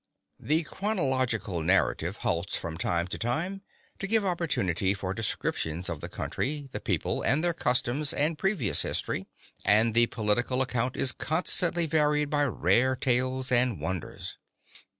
The chronological narrative halts from time to time to give opportunity for descriptions of the country, the people, and their customs and previous history; and the political account is constantly varied by rare tales and wonders.